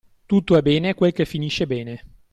Tutto è bene quel che finisce bene.